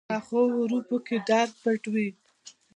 پخو حرفو کې درد پټ وي